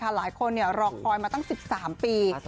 หลายคนรอคอยมาตั้ง๑๓ปี